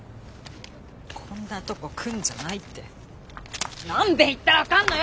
こんなとこ来んじゃないって何べん言ったら分かんのよ！